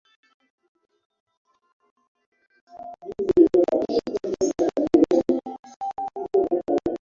kupitia vipindi vya Barazani na Swali la Leo Maswali na Majibu na Salamu Zenu